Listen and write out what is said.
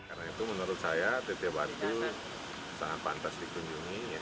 karena itu menurut saya teteh batu sangat pantas dikunjungi